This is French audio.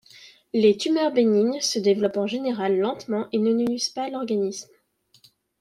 Les tumeurs bénignes se développent en général lentement et ne nuisent pas à l'organisme.